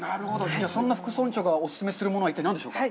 じゅあ、そんな副村長がお勧めするものは、一体、何でしょうか。